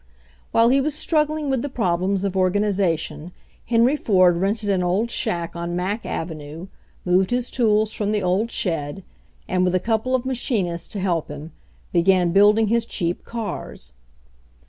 While he was struggling with the problems of organization, Henry Ford rented an old shack on Mack avenue, moved his tools from the old shed, and, with a couple of machinists to help him, began building his cheap cars.